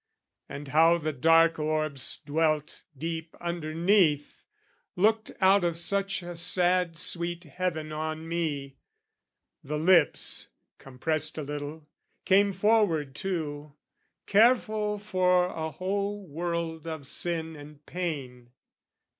And how the dark orbs dwelt deep underneath, Looked out of such a sad sweet heaven on me The lips, compressed a little, came forward too, Careful for a whole world of sin and pain.